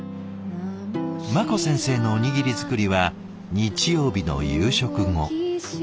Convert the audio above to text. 茉子先生のおにぎり作りは日曜日の夕食後。